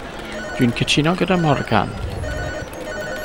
Dwi'n cytuno gyda Morgan.